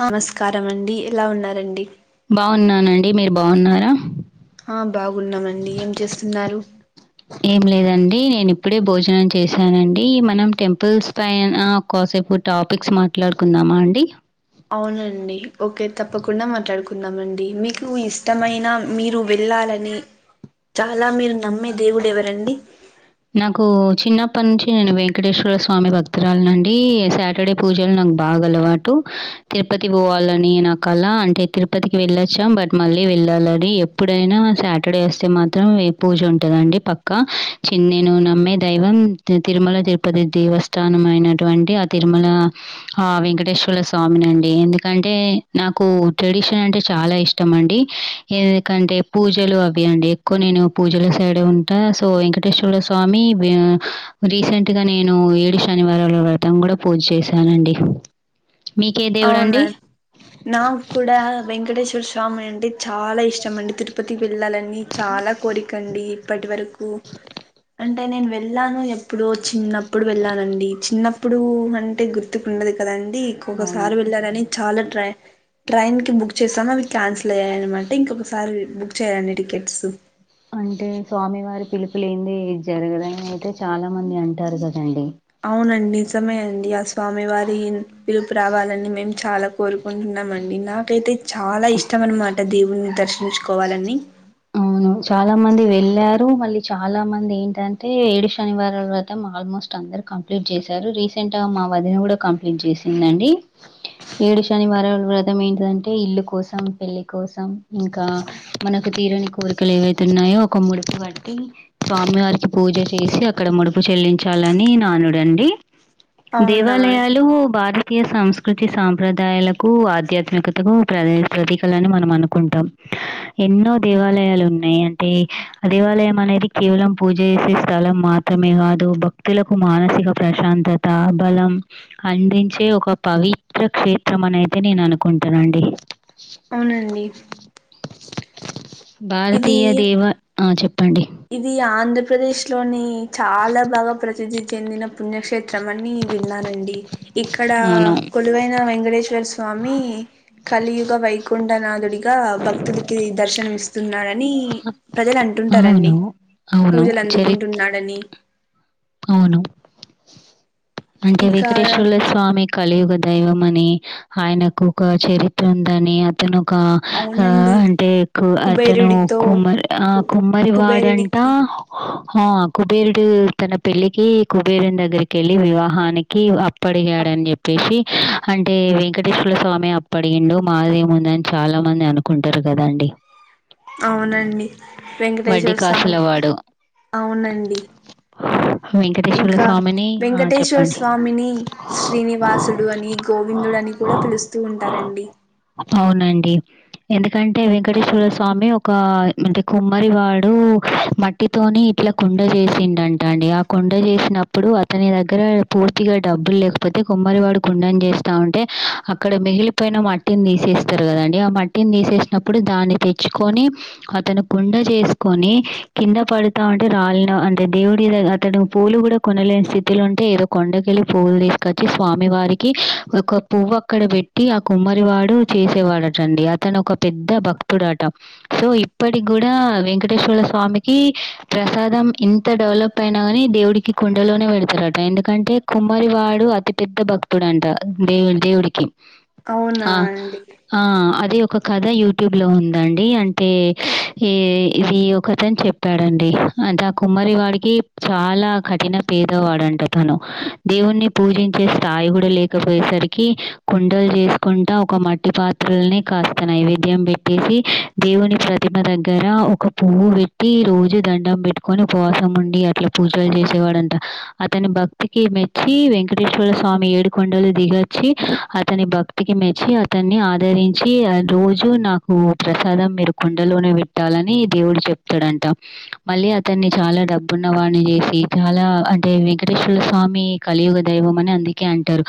నమస్కారమండి ఎలా ఉన్నారండి బాన్నానండి మీరు బాగున్నారా ఆ బాగున్నామండి ఏం చేస్తున్నారు ఏం లేదండి నేను ఇప్పుడే భోజనం చేశానండి మనం టెంపుల్స్ పైన కోసం [unintelligible] టాపిక్స్ మాట్లాడుకుందామ అండి అవునండి ఓకే తప్పకుండా మాట్లాడుకుందామండి మీకు ఇష్టమైన మీరు వెళ్ళాల నఅని చాలా మీరు నమ్మే దేవుడు ఎవరండి నాకు చిన్నప్పటి నుంచి నేను వెంకటేశ్వర స్వామి భక్తురాలనండి సాటర్డే పూజలు నా బాగ అలవాటు తిరుపతి పోవాలని నా అలా అంటే తిరుపతికి వెళ్ళొచ్చాం బట్ మళ్ళీ వెళ్ళాలడి ఎప్పుడైనా సాటర్డే వస్తే మాత్రం పూజ ఉంటదండి పక్కా చిన్నేను నమ్మే దైవం తిరుమల తిరుపతి దేవస్థానం అైనటువంటి ఆ తిరుమల ఆ వెంకటేశ్వర స్వామి నండి ఎందుకంటే నాకు ట్రెడిషన్ అంటే చాలా ఇష్టం అం ఎందుకంటే పూజలు అవి అండి ఎక్కువ నేను పూజల సైడ్ ఉంటా సో ఇ వెంటేశ్వర స్వామి రీసెంట్ గా నేను ఏడు శనివారాల వ్రతం కూడా పూజ చేశ నండి అవునా నాకు కూడ వెంకటేశ్వర స్వామి అంటే చాల ఇష్టం అండి తిరుపతి కి వెళ్ళాలని చాలా కోరికండి ఇప్పటి వరకు అంటే నేను వెళ్ళాను ఎప్పుడో చిన్నప్పుడు వెళ్ళానండి చిన్నప్పుడు అంటే గుర్తుకు ఉండదు కదండి అవును. ఇంకొకసారి వెళ్ళాలని చాల ట్రై ట్రైన్ కి బుక్ చేస్తాము అవి క్యాన్సిల్ అయ్యాయినమాట ఇంకొకసారి బుక్ చేయ్యండి టికెట్స్ అంటే స్వామివారి పిలుపులెంది జరగదని అయితే చాల మంది అంటారు కదండి అవునండి నిజమే అండి ఆ స్వామి వారి పిలుపు రావాలని మేము చాల కోరుకుంటున్నామండి నాకైతే చాల ఇష్టం అనమాట దేవుని దర్శించుకోవాలని చాల మంది వెళ్ళారు మళ్ళీ చాల మంది ఏంటంటే ఏడు శనివారాల వ్రతం ఆల్మోస్ట్ అందరు కంప్లీట్ చేశారు రీసెంట్గా మా వదిన కూడ కంప్లీట్ చేసిందండి ఏడు శనివారం [unintelligible] వ్రతం ఏంటంటే ఇల్లు కోసం పెళ్లి కోసం ఇంకా మన తీరని కోరికలు ఏవైతే ఉన్నాయో ఒక ముడుపు కట్టి స్వామి వారికి పూజ చేసి అక్కడ ముడుపు చెల్లించాలని నానుడండి అవునా దేవాలయాలు భార్ భారతీయ సంస్కృతి సాంప్రదాయాలకు ఆధ్యాత్మికతకు ప్ర ప్రతీకలని మనం అనుకుంటాం ఎన్నో దేవాలయాలు ఉన్నాయి అంటే ఆ దేవాలయం అనేది కేవలం పూజ చేసే స్థలం మాత్రమే కాదు భక్తులకు మానసిక ప్రశాంతత బలం అందించే ఒక పవిత్ర క్షేత్రమనైతే నేను అనుకుంటానండి అవునండి ఇది భారతీయ దేవ ఆ చెప్పండి ఇది ఆంధ్రప్రదేశ్ లోని చాలా బాగా ప్రసిద్ధి చెందిన పుణ్యక్షే త్రమని విన్నానండి ఇక్కడ అవును. కొలువైన వెంకటేశ్వర స్వామి కలియుగ వైకుంఠనాథుడిగా భక్తులకి దర్శనం ఇస్తున్నాడని ప్రజలు అంటు ంటారండి అవును. అవును. పూజలు చరి అందుకుంటున్నాడని అవును అంటే ఇంకా వెంకటేశ్వరుల స్వామి కలియుగ దైవమని ఆయనకు ఒక చరిత్ర ఉందని అతను ఒక ఆ అవునండి అంటే కు అతను కుబేరుడితో కుమ్మరి ఆ కు కుమ్మరి వాడంటా కుబేరుడికి ఆ కుబేరుడు తన పెళ్ళికి కుబేరుని దగ్గరికేళ్ళి వివాహానికి అప్ అప్ ప్పడిగాడని చెప్పేసి అంటే వెంకటేశ్వర స్వామి అప్పడిగిండు మాదేముందని చాలా మంది అనుకుంటారు కదా అండి అవునండి వడ్డీ వెంకటేశ్వర స్వామి కాసులవాడు. అవునండి వెంకటేశ్వర్ల ఇంకా స్వామిని ఆ! వెంకటేశ్వర చెప్పండి. స్వామిని శ్రీనివాసుడని గో విందుడని కూడా పిలుస్తూ ఉంటారండి అవునండి ఎందుకంటే వెంకటేశ్వర స్వామి ఒక అంటే కుమ్మరి వాడు మట్టితోని ఇట్లా కుండ చేసిండండి అండి ఆ కుండ చేసినప్పుడు అతని దగ్గర పూర్తిగా డబ్బులు లేకపోతే కుమ్మరి వాడు కుండని చేస్ స్తా ఉంటే అక్కడ మిగిలిపోయిన మట్టిని తీసేస్తారు కదండి ఆ మట్టిని తీసేసినప్పుడు దాన్ని తె ుకొని అతను కుండ చేసుకొని కింద పడుతా ఉంటే రాళ్న అంటే దేవు ఇ అతడు పూ్లు కూడా కొనలేని స్థితిలో ఉంటే ఏదో కొండకెళ్ళి పూలు తీసుకొచ్చి స్వామి వారికి ఒక పువ్వు అక్కడ పెట్టి ఆ కుమ్మరి వాడు చేసేవాడటండి అతను ఒక పెద్ద భక్తుడ ట సో ఇప్పటికి కూడా వెంకటేశ్వర్ర స్వామికి ప్రసాదం ఇంత డెవలప్ పైన కాని దేవుడికి కుండలోనే పెడుతారట ఎందుకంటే కుమ్మరివాడు అతి పెద్ద భక్తుడంట దేవు దేవుడికి అవునా ఆ అండి ఆ అది ఒక కథ యూట్యూబ్లో ఉందండి అంటే ఎ ఇది ఒకతన్ చెప్పాడండి అయితే ఆ కుమ్మరి వాడికి చాలా కఠిన పేదవాడంట అతను దేవుణ్ణి పూజించే స్థాయి కూడా లేకపోయేస రికి కుండలు చేసుకుంట ఒక మట్టి పాత్రల్నే కాస్త నైవేద్యం పెట్టేసి దేవుని ప్రతిమ దగ్గర ఒక పువ్వు పెట్టి రోజు దండం పెట్టుకొని ఉవాసం ఉండి అట్లా పూజలు చేసేవాడంట అతని భక్తికి మెచ్చి వెంకటేశ్వర స్వామి ఏడు కొొండలు దిగో చ్చి అతని భక్తికి మెచ్చి అతన్ని ఆదరించి రోజు నాకు ప్రసాదం మీరు కుండలోనే పెట్టాలని దేవుడు చెప్తాడంట మళ్ళీ అతన్ని చాలా డబ్బున్న వా చేసి చాలా అంటే వెంకటేశ్వర స్వామి కలియుగ దైవం అని అందుకే అంటారు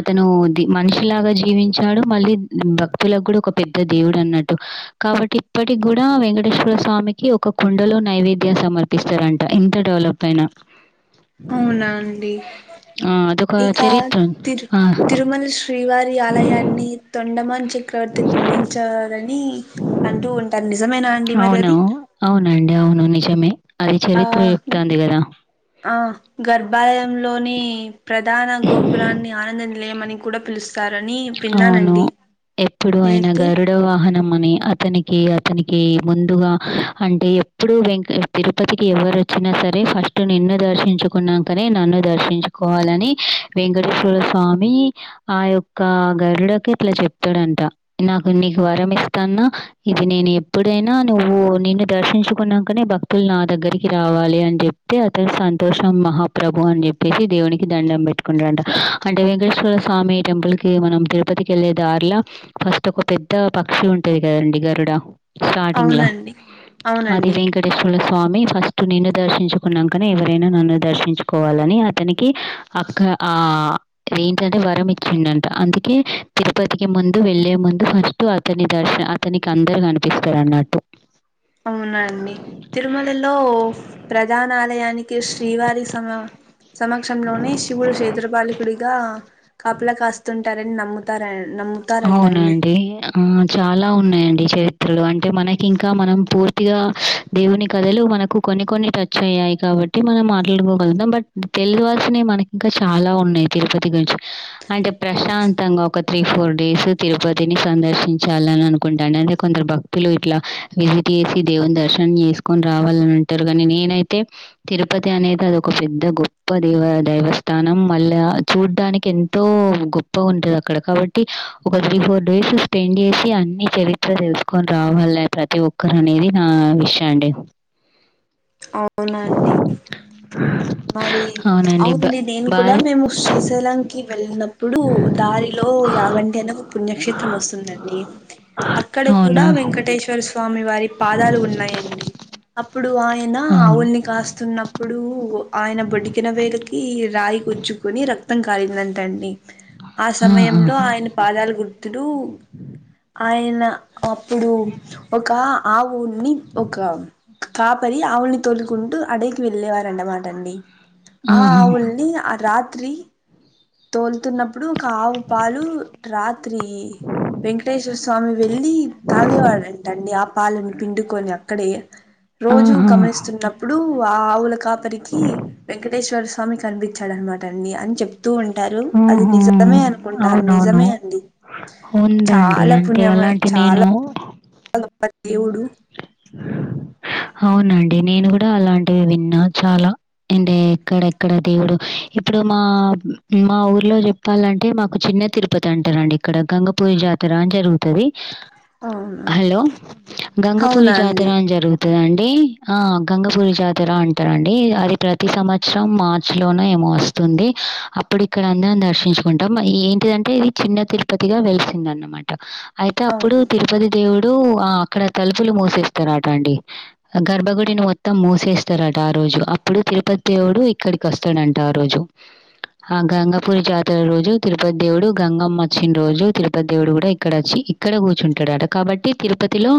అత ను ద్ మనిషిలాగా జీవించాడు మళ్ళీ భక్తులకు కూడా ఒక పెద్ద దేవుడన్నట్టు కాబ బట్ ఇప్పటికి కూడా వెంకటేశ్వర స్వామికి ఒక కుండలో నైవేద్యం సమర్పిస్తారంట ఇంత డెవలప్ పైనా అవునా అండి ఆ! అదొక ఇక చరిత్ర. తిరు ఆ! తిరుమల శ్రీవారి ఆలయాన్ని తొండమాన్ చక్రవర్తి నిర్మించారని అంటూ ఉంటారు నిజమేనా అండి మరి అవును. అది అవునండి అవును నిజమే అది ఆ చరిత్ర చేప్తాంది కదా ఆ గర్భాలయంలోని ప్రధాన గోపురాన్ని ఆనంద నిలయమని కూడా పిలుస్తారని విన్నానండి ఇప్పుడు ఆయన నేనైతే గరుడ వాహా ని అతనికి అతనికి ముందుగా అంటే ఎప్పుడు వెంక తిరుపతికి ఎవరు వచ్చినా సరే ఫస్ట్ నిన్ను దర్శించుకున్నాంకనే నన్ను దర్శించుకోవాలని వెంకటేశ్వర స్వామి ఆ యొక్క గరుడకి ఇట్లా చెప్తాడంట నీకు వరం ఇస్తాన్నా ఇది నేను ఎప్పుడైనా నువ్వు నిన్ను దర్శించుకున్నాకనే భక్తు నా దగ్గరికి రావాలి అని చెప్తే అతను సంతోషం మహాప్రభు అని చెప్పేసి దేవునికి దండం పెట్టి అంటే వెంకటేశ్వర స్వామి టెంపుల్ కి మనం తిరుపతికి వెళ్ళే దార్లా ఫస్ట్ ఒక పెద్ద పక్షి ఉంటది కదండి గరుడ స్టార్టింగ్ లో అవునండి అది అవునండి వెంకటేశ్వ స్వామి ఫస్ట్ నిన్ను దర్శించుకునంకనే ఎవరైనా నన్ను దర్శించుకోవాలని అతనికి అక్క ఆ ఏంటంటే వరం ఇచ్చిండంట అందుకే తిరుపతికి ముందు వెల్లే ముందు ఫస్ట్ అతని దర్శ అతనికి అందరు కనిపిస్తరు అన్నట్టు అవునా అండి తిరుమలలో ప్రధాన ఆలయానికి శ్రీవారి సమ సమక్షంలోనే శివుడు క్షేత్రపాలికుడిగా కాపలా కాస్తుంటారని నమ్ముతారా ఆయన అవునా అండి ఆ చాలా ఉన్నాయండి చరిత్రలో అంటే మనకి ఇంకా మనం పూర్తిగా దేవుని కథలు మనకు కొన్ని కొన్ని టచ్ అయ్యాయి కాబట్టి మనం మాట్లాడుకోగలుగుతాం బట్ తెలువాల్సినవి మనకి ఇంకా చాలా ఉన్నాయి తిరుపతి గురించి అంటే ప్రశాంతంగా ఒక త్రీ ఫోర్ డేస్ తిరుపతిని సందర్శించాలిని అనుకుంటా అంటే కొందరు భక్తులు ఇట్లా విజిట్ చేసి దే దర్శనం చేసుకొని రావాలని అంటారు కానీ నేనైతే తిరుపతి అనేది అది ఒక పెద్ద గొప్ప దేవ దైవస్థానం మళ్ళా చూడ్డానికి ఎంతో గొప్పగా ఉంటది అక్కడ కాబట్టి ఒక త్రీ ఫోర్ డేస్ స్పెండ్ చేసి అన్ని చరిత్ర తెలుసుకొని రావాలి ప్రతి ఒక్కరు అని ఇది నా విష్ అండి అవునండి మరి భ అవునండి నేను కూడా భారత్ మేము శ్రీశైలం కి వెళ్ళినప్పుడు దారిలో ఓ యాగంటి అని ఒక పుణ్యక్షేత్రం వస్తుందండి అక్కడ అవునా? కూడా వెంకటేశ్వర స్వామి స్వామి వారి పాదాలు ఉన్నాయండి అప్పుడు ఆయన అవును. ఆవుల్ని కాస్తున్న అప్పుడు ఆయన బొటికిన వేలుకి రాయి కుచ్చుకుని రక్తం కారిందంటండి ఆ ఆహా! సమయంలో ఆయన పాదాలు గుర్తులు ఆయన అప్పుడు ఒక ఆ ఊని ఒక కాపరి ఆవుల్ని తోలుకుంటూ అడవికి వెళ్ళే వారంట టండి ఆ ఆహా! ఆవుల్ని ఆ రాత్రి తోలుతున్నప్పుడు ఒక ఆవు పాలు రాత్రి వెంకటేశ్వర స్వామి వెళ్లి తాగేవాడంటండి ఆ పాలని పిండుకొని అక్కడే రోజూ ఆహా! గమనిస్తున్నప్పుడు ఇప్పుడు ఆ ఆవుల కాపరికి వెంకటేశ్వర స్వామి కనిపించాడనమాట అండి అని చెప్త తూ ఉంటారు అది ఓహో! నిజమే అనుకుంటా అవునవును. నిజమే అంది ఉందండి అంటే అలాంటి నేను ఎవుడు అవునండి నేను కూడా అలాంటివి విన్నా చాలా అంటే ఎక్కడ ఎక్కడ దేవుడు ఇప్పుడు మా మా ఊర్లో చెప్పాలంటే మాకు చిన్న చిన్న తిరుపతి అంటారండి ఇక్కడ గంగపూరి జాతర అని జరుగుతది అవునా హలో గంగపూరి అవునా జాతర అండి అని జరుగు అండి ఆ గంగపూరి జాతర అంటారు అండి అది ప్రతి సంవత్సరం మార్చి లోన వస్తుంది అప్పుడు ఇక్కడ అందరం దర్శించుకుంటాం ఏంటిదంటే ఇది చిన్న తిరుపతిగా వెలిసింది అన్నమాట అయితే అప్పుడు అవును తిరుపతి దేవుడు ఆ అక్కడ తలుపులు మూసేస్తారుట అండి గర్భగుడిని మొత్తం మూసేస్తారట ఆ రోజు అప్పుడు తిరుపతి దేవుడు ఇక్కడికి వస్తాడంటా ఆ రోజు ఆ గంగాపురి జాతర రోజు తిరుపతి దేవుడు గంగమ్ వచ్చిన రోజు తిరుపతి దేవుడు కూడా ఇక్కడ వచ్చి ఇక్కడ కూర్చుంటాడుట కాబట్టి తిరుపతిలో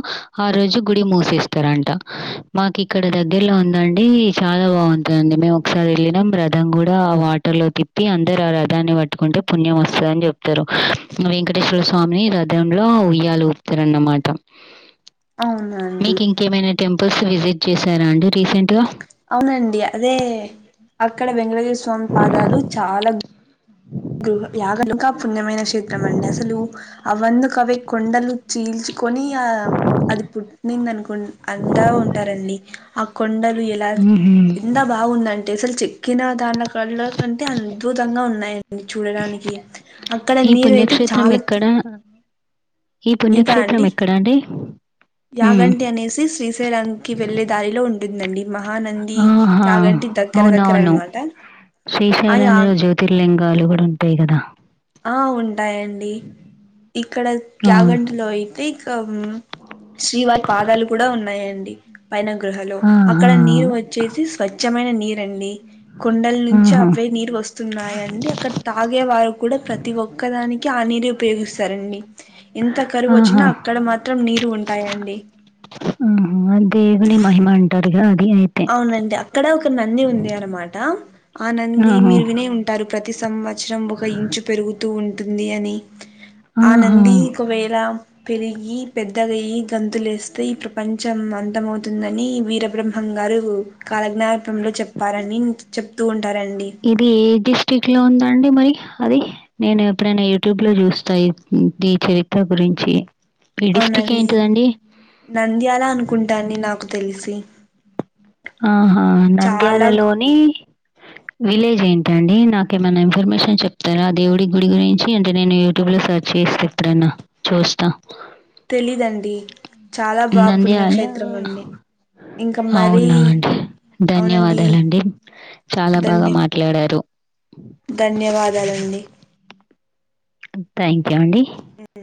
ఆ రోజు గుడి మూసేసి అంట మాకు ఇక్కడ దగ్గర్లో ఉందండి చాలా బాగుంటందిండి మేము ఒకసారి వెళ్ళినం బ్ర రథం కూడా ఆ వాటర్ లో తిప్పి అందరు ఆ రథాన్ని పట్టుకుంటే పుణ్యం వస్తందిని చెప్తారు ఇంకా వెంటేశ్వర స్వామి రథంలో ఉయ్యాలి ఊపుతార అన్నమాట అవునా అండి టెంపుల్స్ విజిట్ చేశారు అండి రీసెంట్ అవునండి అదే అక్కడ వెంకటేశ్వర స్వామి పాదాలు చాలా యాగం ఇంకా పుణ్యమైన క్షేత్రం అండి అసలు అవన్న కవి కొండలు చీల్చు కొని అది పు నింద అనుకు అందా ఉంటారండి ఆ కొండలు ఎలా హుహు. ఎంత బాగుందం టే అసలు చెక్కిన దాని కళ్ కంటే అద్భుతంగా ఉన్నాయి చూడడానికి అక్కడ ఈ నీరు అయితే పుణ్యక్షేత్రం చాలా ఎక్కడ? ఈ ఇదా పుణ్యక్షేత్రం అండి ఎక్కడండి హ్మ్. యాగంటి అనేసి శ్రీశైలంకి వెళ్ళే దారిలో ఉంటుందండి మహానంది ఆహా! యాగంటి దగ్గర దగ్గర అవునవును. అనమాట ఆ యా శ్రీశైలంలో జ్యోతిర్లింగాలు కూడా ఉంటాయి కదా ఆ ఉంటాయండి ఇక్కడ అవును. యాగంటిలో అయితే మొత్తం శ్రీవారి పాదాలు కూడా ఉన్నాయండి పైన గృహలో ఆహా! అక్కడ నీరు వచ్చేసి స్వచ్ఛమైన నీరండి కొండల నుంచి ఆహా! అవే నీరు వస్తున్నాయండి అక్కడ తాగే వారు కూడా ప్రతి ఒక్కదానికి ఆ నీరు ఉపయోగిస్తారండి ఎంత కరువు వచ్చినా ఆహా! ఆహా! అక్కడ మాత్రం నీరు ఉంటాయండి ఆహ అ దేవని మహిమ అంటారుగా అది అయితే. అవునండి అక్కడ ఒక నంది ఉంది అనమాట ఆ నంది ఆహా! మీరు వినే ఉంటారు ప్రతి సం సంవత్సరం ఒక ఇంచు పెరుగుతూ ఉంటుంది అని ఆ ఆహా! నంది ఒకవేళ పెరిగి పెద్దదియ్యి గంతులేస్తే ఈ ప్రపంచం అంతమవుతుందని వీర బ్రహ్మం అహంగారు కాలజ్ఞానపంలో చెప్పారని చెప్తూ ఉంటారండి స్టిక్లో ఉందండి మరి అది నేను ఎప్పుడైనా యూట్యూబ్లో చూస్తాయి ఈ చరిత్ర గురించి ఈ డిస్ట్రిక్ట్ అవునండి ఏంటిదండి? నంద్యాల అనుకుంటండి నాకు తెలిసి ఆహా నంద్యాల చాలా లోని విలేజ్ ఏంటి ట అండి నాకేమన్నా ఇన్ఫర్మేషన్ చెప్తారా దేవుడి గుడి గురించి అంటే నేను యూట్యూబ్ లో సెర్చ్ చేసి ఎప్పుడనా చూస్తా తెలీదండి చాలా బా నంద్యాల పుణ్యక్షేత్రం అండి ఇంకా మరీ అవునా అవునండి ధన్యవాదాలండి చాలా బాగా ధన్య మాట్లాడారు ధన్యవాదాలండి థ్యాంక్ యూ అండి ఊ